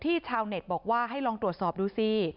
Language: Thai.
ชาวเน็ตบอกว่าให้ลองตรวจสอบดูสิ